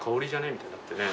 みたいになってね。